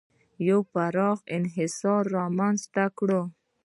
یو پراخ انحصار یې رامنځته کړی و.